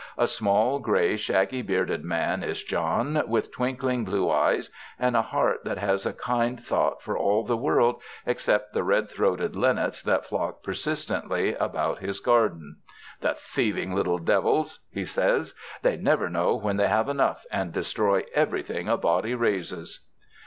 A small, gray, shaggy bearded man is John, with twinkling blue eyes and a heart that has a kind thought for all the world except the red throated linnets that flock persistently about his garden: "The thieving little devils," he says, "they never know when they have enough, and destroy every thing a body raises!"